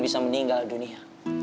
bisa meninggal dunia